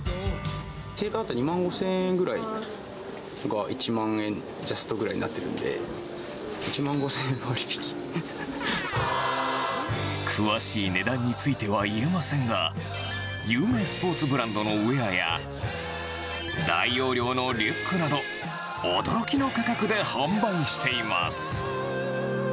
定価だと２万５０００円ぐらいが、１万円ジャストぐらいになってるんで、詳しい値段については言えませんが、有名スポーツブランドのウエアや、大容量のリュックなど、驚きの価格で販売しています。